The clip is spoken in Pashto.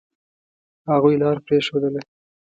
هغوی لار پرېښودله.